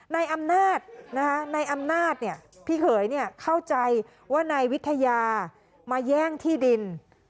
นายอำนาจนายอำนาจพี่เขยเข้าใจว่านายวิทยามาแย่งที่ดิน